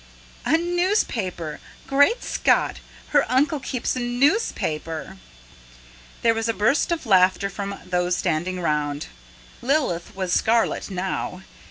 "A newspaper! Great Scott! Her uncle keeps a newspaper!" There was a burst of laughter from those standing round. Lilith was scarlet now.